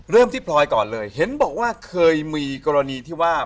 ที่พลอยก่อนเลยเห็นบอกว่าเคยมีกรณีที่ว่า